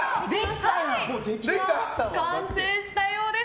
完成したようです。